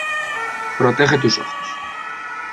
¡ Protege tus ojos!